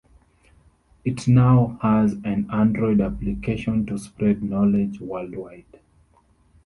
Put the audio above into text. It now has an Android Application to spread knowledge world wide.